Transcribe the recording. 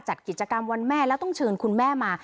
จัดกิจกรรมวันแม่แล้วต้องเชิญคุณแม่มา